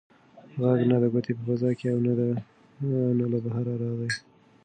غږ نه د کوټې په فضا کې و او نه له بهره راغی.